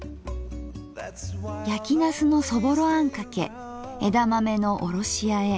やきなすのそぼろあんかけ枝豆のおろしあえ